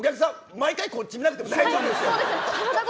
毎回こっち見なくても大丈夫です。